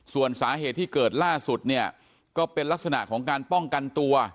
ส่วนสาเหตุที่เกิดล่าสุดเนี่ยก็เป็นลักษณะของการป้องกันตัว